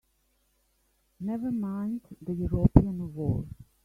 Never mind the European war!